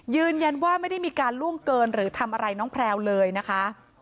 ยืนยันว่าไม่ได้มีการล่วงเกินหรือทำอะไรน้องแพลวเลยนะคะ